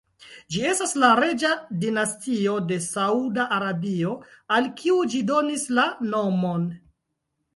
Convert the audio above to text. Ĝi estas la reĝa dinastio de Sauda Arabio, al kiu ĝi donis la nomon.